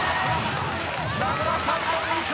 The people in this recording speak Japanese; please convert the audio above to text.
名倉さんもミス！］